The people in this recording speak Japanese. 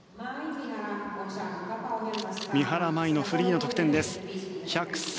三原舞依のフリーの得点です。